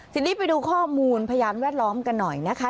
ทีนี้ไปดูข้อมูลพยานแวดล้อมกันหน่อยนะคะ